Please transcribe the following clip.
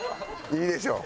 いいでしょう。